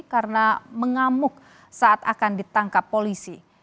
karena mengamuk saat akan ditangkap polisi